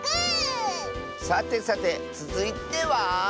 さてさてつづいては。